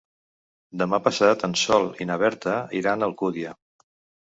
Demà passat en Sol i na Berta iran a Alcúdia.